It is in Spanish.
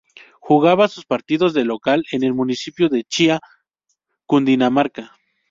Jugaba sus partidos de local en el municipio de Chía, Cundinamarca.